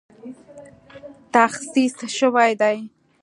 تخصیص شوې دي